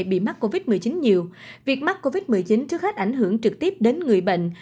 bị mắc covid một mươi chín nhiều việc mắc covid một mươi chín trước hết ảnh hưởng trực tiếp đến người bệnh